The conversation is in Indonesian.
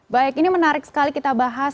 baik ini menarik sekali kita bahas